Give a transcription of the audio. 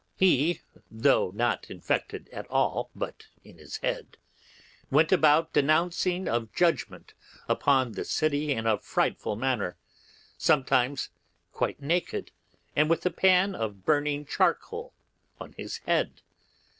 He, though not infected at all but in his head, went about denouncing of judgement upon the city in a frightful manner, sometimes quite naked, and with a pan of burning charcoal on his head.